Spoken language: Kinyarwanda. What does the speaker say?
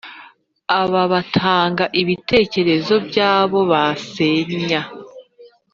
Aba batanga ibitekerezo byabo basenya